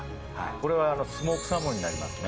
これはスモークサーモンになりますね。